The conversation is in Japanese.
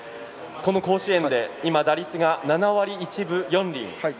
この甲子園で今、打率が７割１分４厘。